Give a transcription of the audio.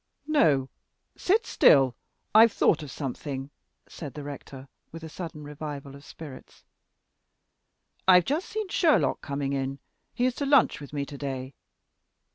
"No, sit still; I've thought of something," said the rector, with a sudden revival of spirits. "I've just seen Sherlock coming in. He is to lunch with me to day.